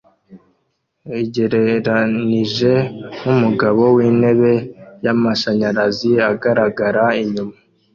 igereranije nkumugabo wintebe yamashanyarazi agaragara inyuma